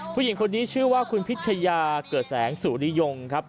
ผู้หญิงคนนี้ชื่อว่าคุณพิชยาเกิดแสงสุริยงครับ